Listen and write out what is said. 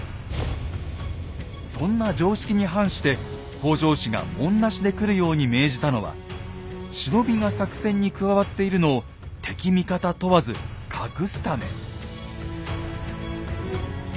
そんな常識に反して北条氏が紋なしで来るように命じたのは忍びが作戦に加わっているのを敵味方問わず隠すため。